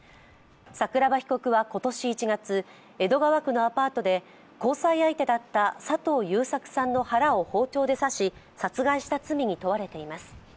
桜庭被告は今年１月、江戸川区のアパートで交際相手だった佐藤優作さんの腹を包丁で刺し殺害した罪に問われています。